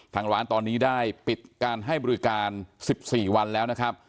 ทางร้านตอนนี้ได้ปิดการให้บริการ๑๔วันแล้วนะครับ